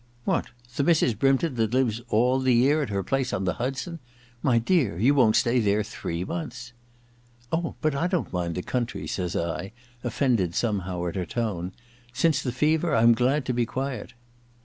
* What ! The Mrs. Brympton that lives all the year at her place on the Hudson ? My dear, you won't stay there three months.' * Oh, but I don't mind the country,' says I, offended somehow at her tone. • Since the fever I'm glad to be quiet.'